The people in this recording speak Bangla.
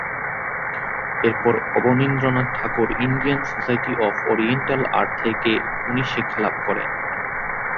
এরপর অবনীন্দ্রনাথ ঠাকুরের Indian Society of Oriental Art থেকে উনি শিক্ষালাভ করেন।